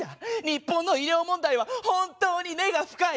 日本の医療問題は本当に根が深い！